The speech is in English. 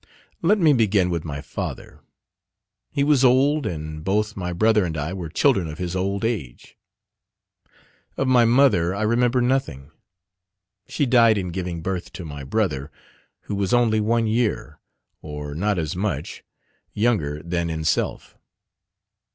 Let me begin with my father: he was old and both my brother and I were children of his old age. Of my mother I remember nothing: she died in giving birth to my brother, who was only one year, or not as much, younger than in self.